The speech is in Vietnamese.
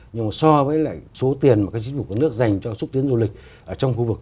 nhưng mà so với lại số tiền mà cái chính phủ của nước dành cho xúc tiến du lịch trong khu vực